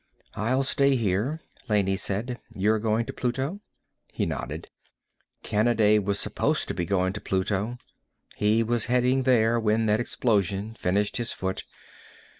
"I'll stay here," Laney said. "You're going to Pluto?" He nodded. "Kanaday was supposed to be going to Pluto. He was heading there when that explosion finished his foot.